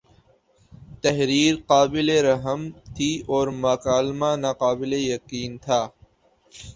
تحریر قابل رحم تھی اور مکالمہ ناقابل یقین تھا